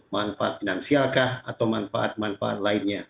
manfaat finansialkah atau manfaat manfaat lainnya